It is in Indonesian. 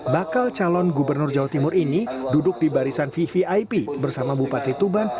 bakal calon gubernur jawa timur ini duduk di barisan vvip bersama bupati tuban